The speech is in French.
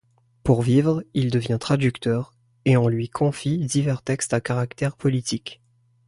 Pour vivre, il devient traducteur, et on lui confie divers textes à caractère politique.